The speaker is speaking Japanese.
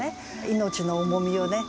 命の重みをね